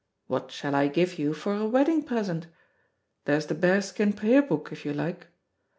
What shall I give you for a wedding present? There's the bear skin prayer book, if you like.